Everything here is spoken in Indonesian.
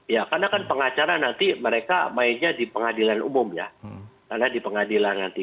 ya karena kan pengacara nanti mereka mainnya di pengadilan umum ya karena di pengadilan nanti